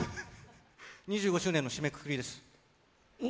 ２５周年の締めくくりです。